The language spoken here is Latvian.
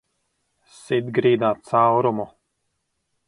Sit grīdā caurumu!